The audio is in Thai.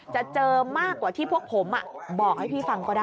จะเจอมากกว่าที่พวกผมบอกให้พี่ฟังก็ได้